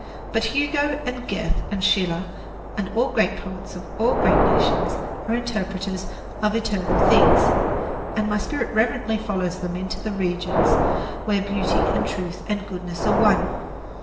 But Hugo and Goethe and Schiller and all great poets of all great nations are interpreters of eternal things, and my spirit reverently follows them into the regions where Beauty and Truth and Goodness are one.